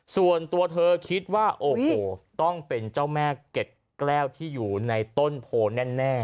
ส่วนตัวเธอคิดว่าโอ้โหต้องเป็นเจ้าแม่เก็ดแก้วที่อยู่ในต้นโพแน่